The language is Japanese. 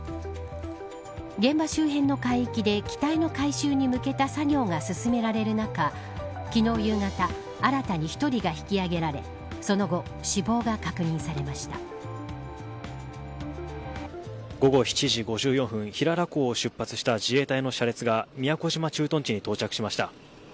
現場周辺の海域で機体の回収に向けた作業が進められる中昨日夕方新たに１人が引き上げられ午後７時５４分平良港を出発した自衛隊の車列が宮古島駐屯地に到着しました。